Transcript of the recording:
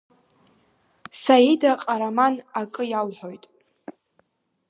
Саида Ҟараман акы иалҳәоит.